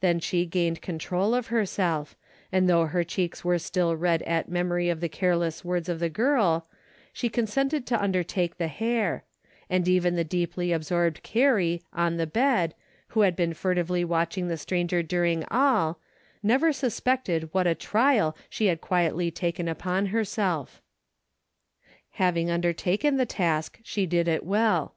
Then she gained control of herself, and though her cheeks were still red at memory of the careless words of the girl, she consented to undertake the hair; and even the deeply absorbed Carrie on the bed, who had been furtively watching the stranger during all, never suspected what a trial she had quietly taken upon herself. Having undertaken the task, she did it well.